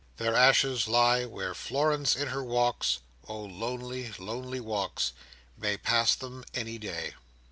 Their ashes lie where Florence in her walks—oh lonely, lonely walks!—may pass them any day.